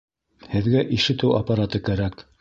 Һеҙгә ишетеү аппараты кәрәк